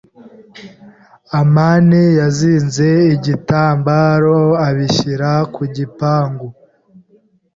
amani yazinze igitambaro abishyira ku gipangu.